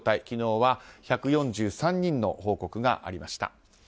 昨日は１４３人の報告がありました。